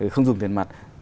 không dùng tiền mặt